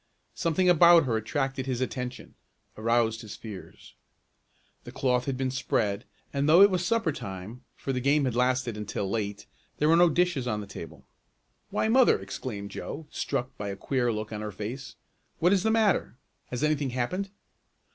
Something about her attracted his attention aroused his fears. The cloth had been spread, and though it was supper time, for the game had lasted until late, there were no dishes on the table. "Why mother!" exclaimed Joe, struck by a queer look on her face. "What is the matter? Has anything happened?"